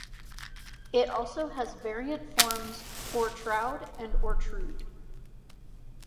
It also has variant forms Ortraud and Ortrude.